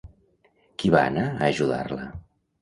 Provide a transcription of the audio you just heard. Qui va anar a ajudar-la?